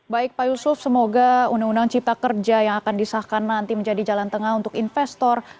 baik pak yusuf semoga undang undang cipta kerja yang akan disahkan nanti menjadi jalan tengah untuk investor